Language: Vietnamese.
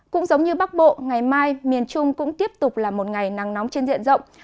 cũng giống như bắc bộ ngày mai miền trung cũng tiếp tục là một ngày nắng nóng trên diện rộng